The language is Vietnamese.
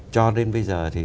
cho đến bây giờ thì